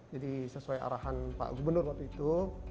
jadi sesuai arahan pak gubernur waktu itu